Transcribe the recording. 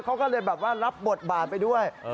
เขาก็เลยแบบว่ารับบทบาทไปด้วย